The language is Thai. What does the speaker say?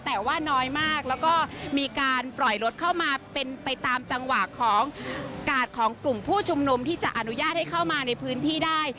แต่ว่าน้อยมากแล้วก็มีการปล่อยรถเข้ามาเป็นไปตามจังหวะของกาดของกลุ่มผู้ชุมนุมที่จะอนุญาตให้เข้ามาในพื้นที่ได้